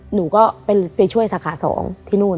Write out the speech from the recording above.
หนูได้ช่วยสาขาสอง